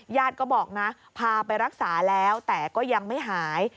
ญาติก็บอกนะพาไปรักษาแล้วแต่ก็ยังไม่หาย